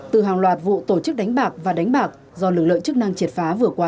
từ hàng loạt vụ tổ chức đánh bạc và đánh bạc do lực lượng chức năng triệt phá vừa qua